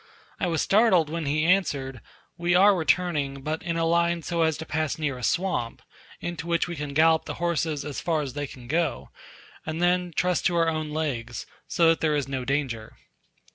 I was startled when he answered, "We are returning, but in a line so as to pass near a swamp, into which we can gallop the horses as far as they can go, and then trust to our own legs; so that there is no danger."